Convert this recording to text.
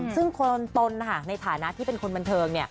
ซึ่งคนตนในฐานะที่เป็นคนบันเทิง